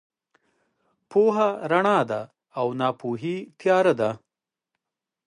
پوهه رڼا ده او ناپوهي تیاره ده.